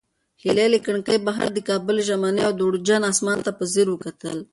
هیلې له کړکۍ بهر د کابل ژمني او دوړجن اسمان ته په ځیر وکتل.